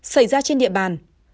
xảy ra trên địa bàn